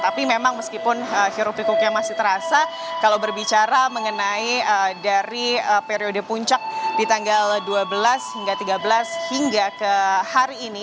tapi memang meskipun hirup pikuknya masih terasa kalau berbicara mengenai dari periode puncak di tanggal dua belas hingga tiga belas hingga ke hari ini